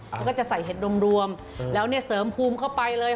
แล้วก็จะใส่เห็ดรวมแล้วเนี่ยเสริมภูมิเข้าไปเลย